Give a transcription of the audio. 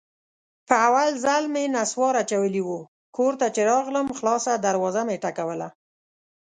په اول ځل مې نصوار اچولي وو، کور ته چې راغلم خلاصه دروازه مې ټکوله.